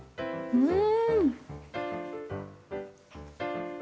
うん！